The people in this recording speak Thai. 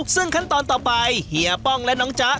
ซึ่งขั้นตอนต่อไปเฮียป้องและน้องจ๊ะ